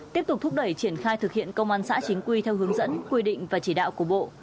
tiếp tục thúc đẩy triển khai thực hiện công an xã chính quy theo hướng dẫn quy định và chỉ đạo của bộ